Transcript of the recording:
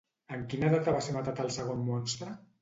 En quina data va ser matat el segon monstre?